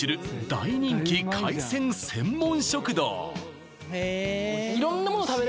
大人気海鮮専門食堂